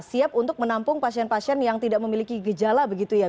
siap untuk menampung pasien pasien yang tidak memiliki gejala begitu ya